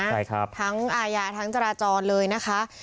ใช่ครับทั้งอาญาทั้งจราจรเลยนะคะ